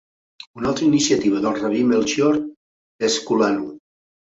Una altra iniciativa del Rabí Melchior és Kulanu.